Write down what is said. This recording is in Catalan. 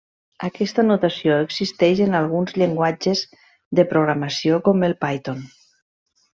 Aquesta notació existeix en alguns llenguatges de programació com el Python.